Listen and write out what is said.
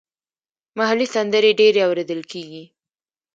محلي سندرې ډېرې اوریدل کیږي.